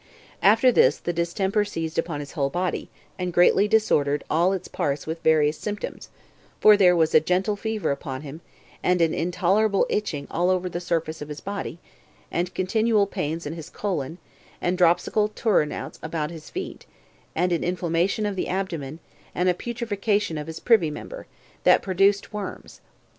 5. After this, the distemper seized upon his whole body, and greatly disordered all its parts with various symptoms; for there was a gentle fever upon him, and an intolerable itching over all the surface of his body, and continual pains in his colon, and dropsical turnouts about his feet, and an inflammation of the abdomen, and a putrefaction of his privy member, that produced worms.